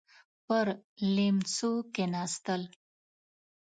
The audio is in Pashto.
پر ليمڅو کېناستل.